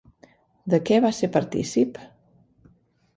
De què va ser partícip?